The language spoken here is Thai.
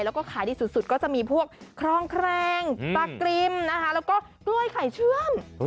แล้วก็ขายดีสุดก็จะมีพวกครองแครงปลากริมนะคะแล้วก็กล้วยไข่เชื่อม